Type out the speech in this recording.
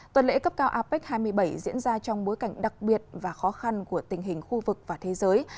tuần lễ cấp cao apec hai mươi bảy diễn ra trong bối cảnh đặc biệt và khó khăn của tình hình khu vực và thế giới